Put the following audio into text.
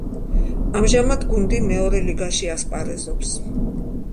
ამჟამად გუნდი მეორე ლიგაში ასპარეზობს.